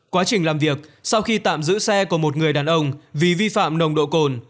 quá trình làm việc sau khi tạm giữ xe của một người đàn ông vì vi phạm nồng độ cồn